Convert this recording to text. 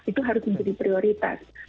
itu harus menjadi prioritas